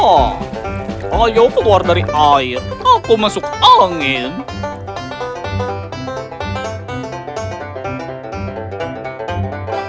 oh ayo keluar dari air aku masuk angin